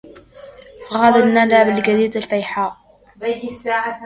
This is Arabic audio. غاد الندى بالجيزة الفيحاء